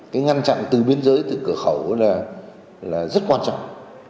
cái ngăn chặn từ biên giới từ cửa khẩu là rất quan trọng